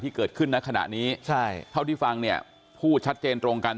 ที่เกิดขึ้นในขณะนี้เท่าที่ฟังพูดชัดเจนตรงกัน